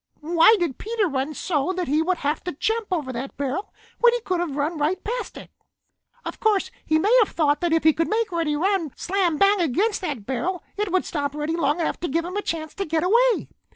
Why did Peter run so that he would have to jump over that barrel when he could have run right past it? "Of course, he may have thought that if he could make Reddy run right slam bang against that barrel it would stop Reddy long enough to give him a chance to get away.